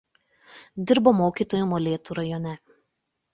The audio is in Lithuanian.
Dirbo mokytoju Molėtų rajone.